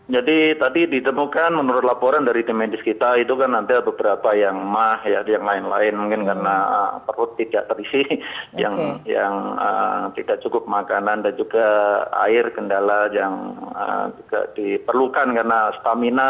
jadi tadi ditemukan menurut laporan dari tim medis kita itu kan nanti beberapa yang emah yang lain lain mungkin karena perut tidak terisi yang tidak cukup makanan dan juga air kendala yang juga diperlukan karena stamina